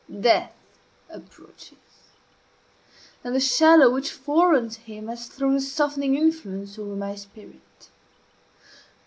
Death approaches; and the shadow which foreruns him has thrown a softening influence over my spirit.